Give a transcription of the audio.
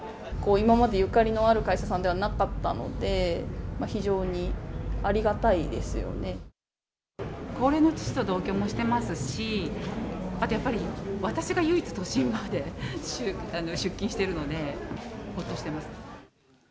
今までゆかりのある会社さんではなかったので、高齢の父と同居もしてますし、あとやっぱり、私が唯一、都心まで出勤してるので、ほっとしてます。